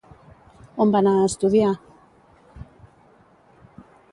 On va anar a estudiar?